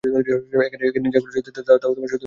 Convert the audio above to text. এখানে যা ঘটেছে, তা সত্যি হতেই পারে না।